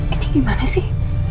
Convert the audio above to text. ini gimana sih